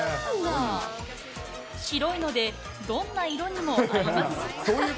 白いので、どんな色にも合います。